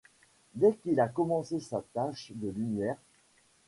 Dès qu'il a commencé sa tâche de lumière